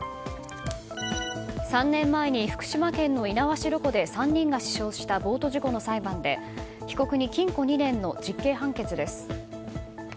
３年前に、福島県の猪苗代湖で３人が死傷したボート事故の裁判で被告に禁錮２年の実刑判決です。